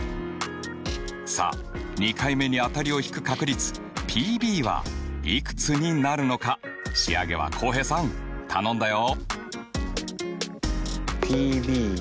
さあ２回目に当たりをひく確率Ｐはいくつになるのか仕上げは浩平さん頼んだよ！